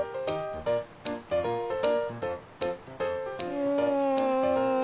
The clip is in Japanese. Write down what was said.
うん。